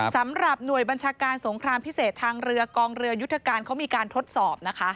สำหรับหน่วยบัญชาการสงครามพิเศษทางเรือกองเรือยุทธการเขามีการทดสอบนะคะ